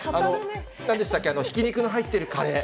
なんでしたっけ、ひき肉の入っているカレー。